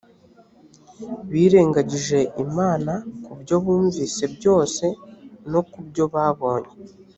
birengagije imana ku byo bumvise byose no ku byo babonye